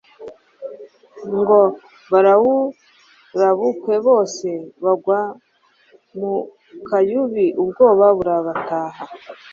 ngo bawurabukwe bose bagwa mu kayubi ubwoba burabataha